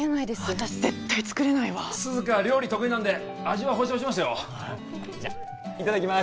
私絶対作れないわ涼香は料理得意なんで味は保証しますよじゃいただきます